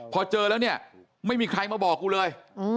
พอเจอแล้วเนี่ยไม่มีใครมาบอกกูเลย